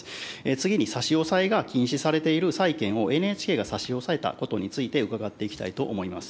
次に、差し押さえが禁止されている債権をＮＨＫが差し押さえたことについて、伺っていきたいと思います。